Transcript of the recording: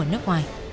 ở nước ngoài